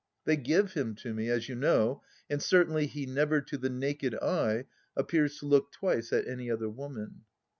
They give him to me, as you know, and certainly he never, to the naked eye, appears to look twice at any other woman.